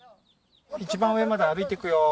一番上まで歩いていくよ。